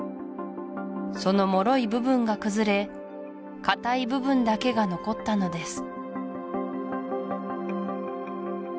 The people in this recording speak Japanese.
その脆い部分が崩れ硬い部分だけが残ったのです